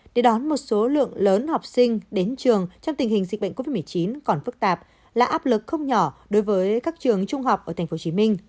để đón một số lượng lớn học sinh đến trường trong tình hình dịch bệnh covid một mươi chín còn phức tạp là áp lực không nhỏ đối với các trường trung học ở tp hcm